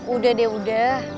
udah deh udah